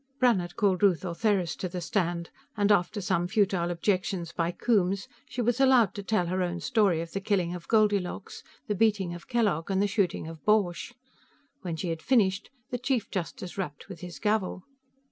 Brannhard called Ruth Ortheris to the stand, and, after some futile objections by Coombes, she was allowed to tell her own story of the killing of Goldilocks, the beating of Kellogg and the shooting of Borch. When she had finished, the Chief Justice rapped with his gavel.